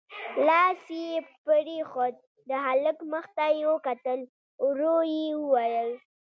لاس يې پرېښود، د هلک مخ ته يې وکتل، ورو يې وويل: